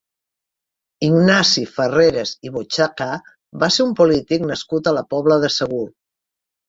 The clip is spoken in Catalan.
Ignasi Farreres i Bochaca va ser un polític nascut a la Pobla de Segur.